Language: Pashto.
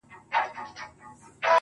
تا ويل پاتېږمه، خو ته راسره ښه پاته سوې,